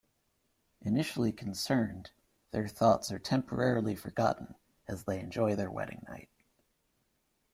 Initially concerned, their thoughts are temporarily forgotten as they enjoy their wedding night.